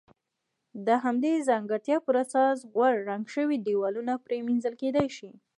د همدغې ځانګړتیا پر اساس غوړ رنګ شوي دېوالونه پرېمنځل کېدای شي.